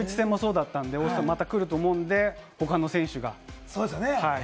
ドイツ戦もそうだったんで、また来ると思うんで、他の選手が。